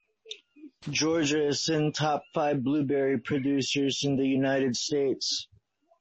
Georgia is in the top five blueberry producers in the United States.